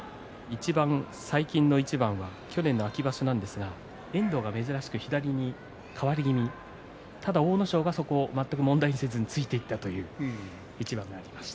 最近の一番は去年の秋場所なんですが遠藤が珍しく左に変わり気味ただ阿武咲はそこを全く問題にせずに突いていったという一番がありました。